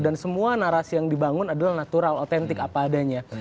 dan semua narasi yang dibangun adalah natural autentik apa adanya